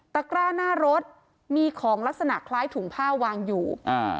กร้าหน้ารถมีของลักษณะคล้ายถุงผ้าวางอยู่อ่า